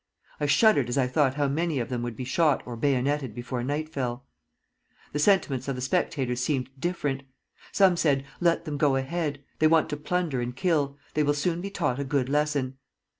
I shuddered as I thought how many of them would be shot or bayoneted before night fell. The sentiments of the spectators seemed different. Some said, 'Let them go ahead. They want to plunder and kill: they will soon be taught a good lesson.'